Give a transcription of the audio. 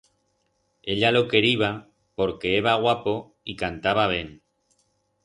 Ella lo queriba porque eba guapo y cantaba ben.